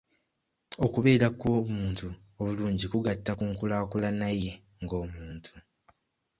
Okubeera kw'omuntu obulungi kugatta ku nkulaaakulana ye ng'omuntu.